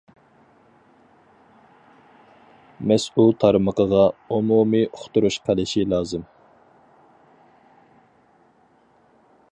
مەسئۇل تارمىقىغا ئومۇمىي ئۇقتۇرۇش قىلىشى لازىم.